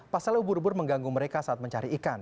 pasal ubur ubur mengganggu mereka saat mencari ikan